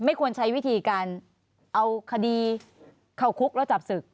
ควรใช้วิธีการเอาคดีเข้าคุกแล้วจับศึก